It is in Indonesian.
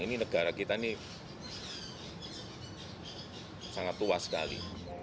ini negara kita ini sangat tua sekali